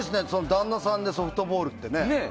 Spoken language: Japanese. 旦那さんでソフトボールって。